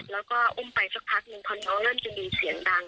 แล้วก็อุ้มไปสักพักหนึ่งพอน้องเริ่มจะมีเสียงดัง